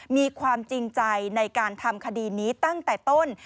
มีความจริงใจในการทำคดีนี้ตั้งแต่ต้น